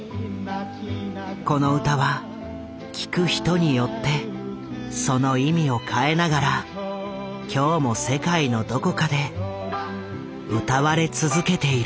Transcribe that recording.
この歌は聴く人によってその意味を変えながら今日も世界のどこかで歌われ続けている。